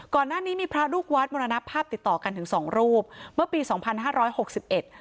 ก่อนหน้านี้มีพระลูกวัดมรณภาพติดต่อกันถึงสองรูปเมื่อปีสองพันห้าร้อยหกสิบเอ็ด